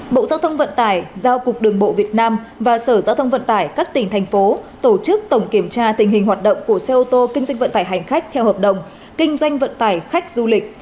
bộ giao thông vận tải giao cục đường bộ việt nam và sở giao thông vận tải các tỉnh thành phố tổ chức tổng kiểm tra tình hình hoạt động của xe ô tô kinh doanh vận tải hành khách theo hợp đồng kinh doanh vận tải khách du lịch